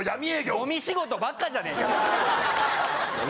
ごみ仕事ばっかじゃねえか。